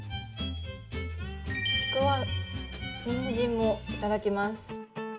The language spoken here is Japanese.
ちくわ、にんじんもいただきます。